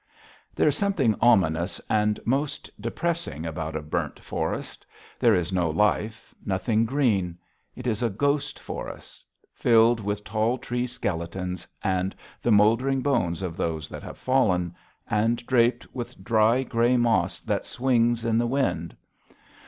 There is something ominous and most depressing about a burnt forest. There is no life, nothing green. It is a ghost forest, filled with tall tree skeletons and the mouldering bones of those that have fallen, and draped with dry gray moss that swings in the wind.